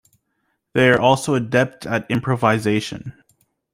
They are also adept at improvisation.